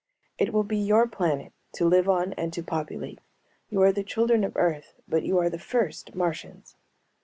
"It will be your planet, to live on and to populate. You are the children of Earth but you are the first Martians."